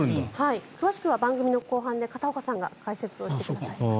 詳しくは番組の後半で片岡さんが解説をしてくださいます。